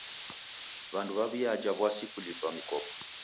W'andu w'aw'iaja w'asi kulipa mikopo.